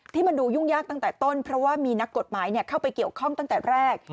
ที่มันดูยุ่งยากตั้งแต่ต้นเพราะว่ามีนักกฎหมายเข้าไปเกี่ยวข้องตั้งแต่แรก